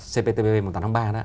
cptpp một mươi tám ba đó